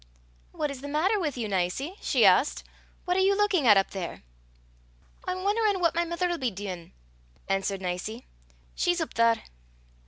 "What is the matter with you, Nicie?" she asked. "What are you looking at up there?" "I'm won'erin' what my mother'll be deein'," answered Nicie: "she's up there."